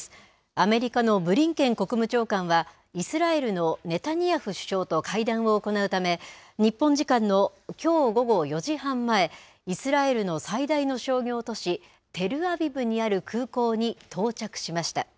アメリカのブリンケン国務長官はイスラエルのネタニヤフ首相と会談を行うため日本時間のきょう午後４時半前イスラエルの最大の商業都市テルアビブにある空港に到着しました。